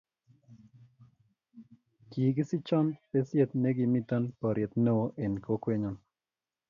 kikisichon besiet ne kimito boriet neoo eng' kokwenyo